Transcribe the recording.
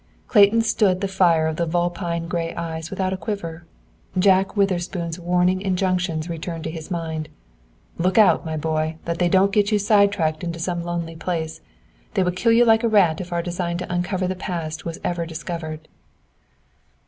Clayton stood the fire of the vulpine gray eyes without a quiver. Jack Witherspoon's warning injunctions returned to his mind. "Look out, my boy, that they don't get you sidetracked in some lonely place. They would kill you like a rat if our design to uncover the past was ever discovered."